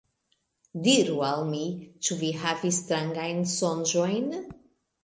Diru al mi. Ĉu vi havis strangajn sonĝojn?